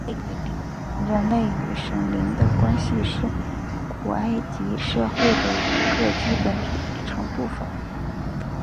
人类与神灵的关系是古埃及社会的一个基本组成部分。